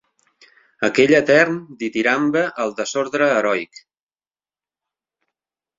Aquell etern ditirambe al desordre heroic